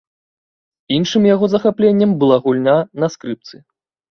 Іншым яго захапленнем была гульня на скрыпцы.